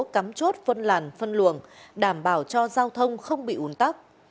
cắm chốt phân làn phân luồng đảm bảo cho giao thông không bị ủn tắc